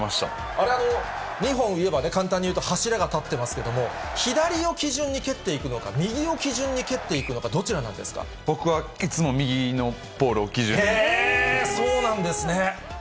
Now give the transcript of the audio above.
あれは２本いえば、簡単に言うと、柱が立ってますけども、左を基準に蹴っていくのか、右を基準に蹴っていくのか、僕は、いつも右のポールを基そうなんですね。